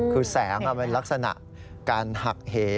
คือแสงเป็นลักษณะการหักเห